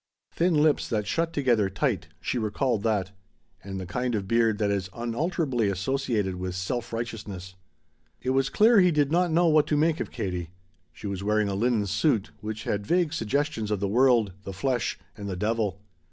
"Thin lips that shut together tight" she recalled that. And the kind of beard that is unalterably associated with self righteousness. It was clear he did not know what to make of Katie. She was wearing a linen suit which had vague suggestions of the world, the flesh, and the devil.